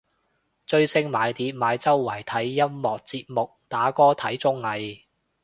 追星買碟買周邊睇音樂節目打歌睇綜藝